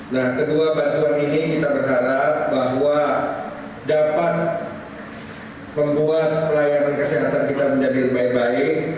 nah kedua bantuan ini kita berharap bahwa dapat membuat pelayanan kesehatan kita menjadi lebih baik